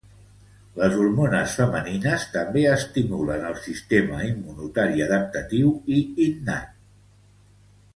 Les hormones femenines també estimulen el sistema immunitari adaptatiu i innat.